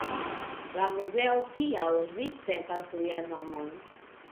La muzeo tial ricevis lian nomon.